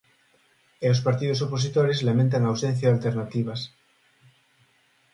E os partidos opositores lamentan a ausencia de alternativas.